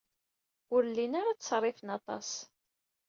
Ur llin ara ttṣerrifen aṭas.